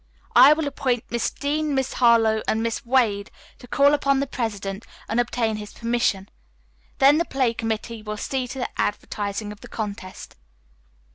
"I will appoint Miss Dean, Miss Harlowe and Miss Wade to call upon the president and obtain his permission. Then the play committee will see to the advertising of the contest."